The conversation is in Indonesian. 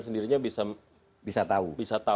sendirinya bisa tahu